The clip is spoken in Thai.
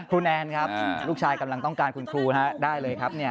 แนนครับลูกชายกำลังต้องการคุณครูได้เลยครับ